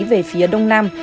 về phía đông nam